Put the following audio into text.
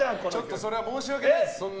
それは申し訳ないです。